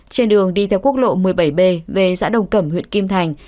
trên đường đi theo quốc lộ một mươi bảy b về xã đồng cẩm huyện kim thành